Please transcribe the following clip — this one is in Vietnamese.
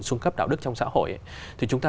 xuân cấp đạo đức trong xã hội thì chúng ta